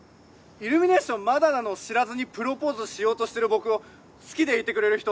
イルミネーションまだなのを知らずにプロポーズしようとしてる僕を好きでいてくれる人